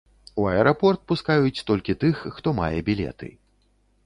У аэрапорт пускаюць толькі тых, хто мае білеты.